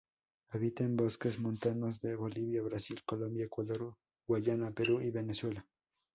Habita en bosques montanos de Bolivia, Brasil, Colombia, Ecuador, Guyana, Perú y Venezuela.